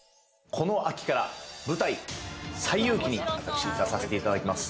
この秋から舞台、『西遊記』に出演させていただきます。